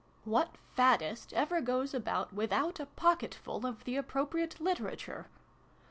(What faddist ever goes about without a pocketful of the appropriate literature